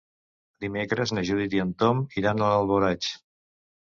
Dimecres na Judit i en Tom iran a Alboraig.